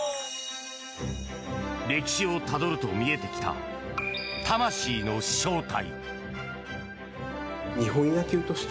歴史をたどると見えてきた魂の正体。